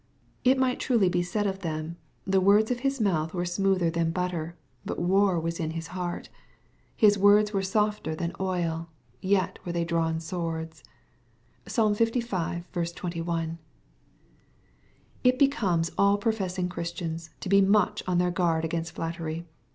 It might truly be said of them, " the words of his mouth were smoother than butter, but war was in his heart : bis MATTHEVir, CHAP. XXII. 285 words were softer than oil, yet were they drawn swords." (I'salm Iv. 21.) It becomes all professing Christians to be much on their guard against flattery.